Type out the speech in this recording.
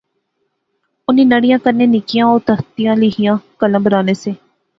انیں نڑیاں کنے نکیاں او تختی لیخیاں قلم بنانے سے